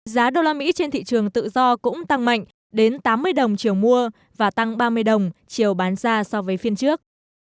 giá đô la mỹ trên thị trường tự do cũng tăng mạnh đến tám mươi đồng chiều mua và tăng ba mươi đồng chiều bán ra so với phiên trước